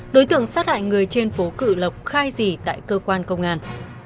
đối tượng sát hại người trên phố cự lộc khai dì tại cơ quan công an